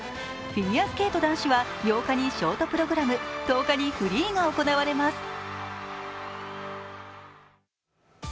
フィギュアスケート男子は８日にショートプログラム１０日にフリーが行われます。